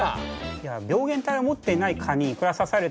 いや病原体を持っていない蚊にいくら刺されてもですね